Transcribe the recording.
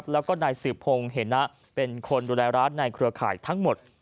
แล้วก็นายสืบพงศ์เหนะเป็นคนดูแลร้านในเครือข่ายทั้งหมด